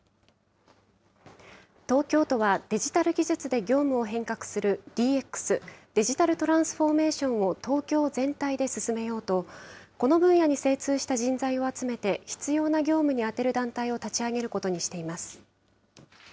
東京都はデジタル技術で業務を変革する、ＤＸ・デジタルトランスフォーメーションを東京全体で進めようと、この分野に精通した人材を集めて、必要な業務に充てる団体を立ち上げることにしています。